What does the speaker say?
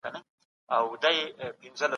د انسان لاسونه د ژوند د جوړولو لپاره دي.